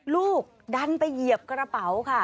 ลูกดันไปเหยียบกระเป๋าค่ะ